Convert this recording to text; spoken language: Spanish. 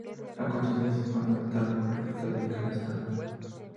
A continuación se expone una tabla con los resultados en cada estado.